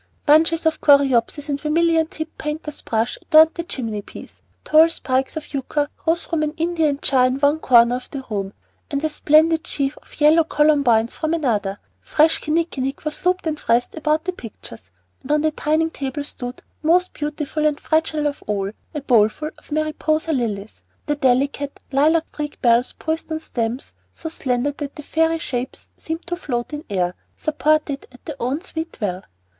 Bunches of coreopsis and vermilion tipped painter's brush adorned the chimney piece; tall spikes of yucca rose from an Indian jar in one corner of the room, and a splendid sheaf of yellow columbines from another; fresh kinnikinick was looped and wreathed about the pictures; and on the dining table stood, most beautiful and fragile of all, a bowlful of Mariposa lilies, their delicate, lilac streaked bells poised on stems so slender that the fairy shapes seemed to float in air, supported at their own sweet will.